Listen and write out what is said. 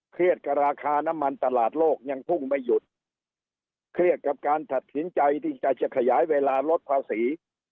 กับราคาน้ำมันตลาดโลกยังพุ่งไม่หยุดเครียดกับการตัดสินใจที่จะจะขยายเวลาลดภาษี